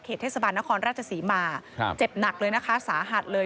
เทศบาลนครราชศรีมาเจ็บหนักเลยนะคะสาหัสเลย